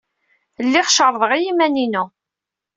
Lliɣ cerrḍeɣ i yiman-inu.